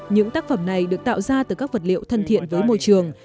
những tác phẩm này được tạo ra từ các vật liệu thân thiện với môi trường